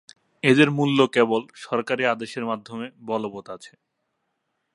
এদের মূল্য কেবল সরকারী আদেশের মাধ্যমে বলবৎ আছে।